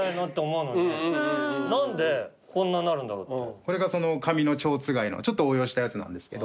これがその紙のちょうつがいのちょっと応用したやつなんですけど。